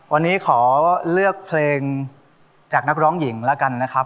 วันนี้ขอเลือกเพลงจากนักร้องหญิงแล้วกันนะครับ